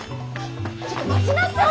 ちょっと待ちなさい！